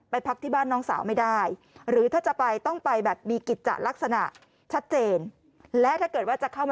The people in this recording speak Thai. ไปพักที่บ้านน้องสาวไม่ได้